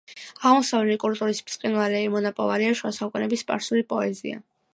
აღმოსავლური კულტურის ბრწყინვალე მონაპოვარია შუა საუკუნეების სპარსული პოეზია.